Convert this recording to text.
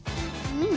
うん！